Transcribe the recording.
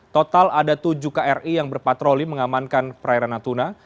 total ada tujuh kri yang berpatroli mengamankan perairan natuna